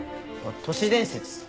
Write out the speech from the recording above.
都市伝説。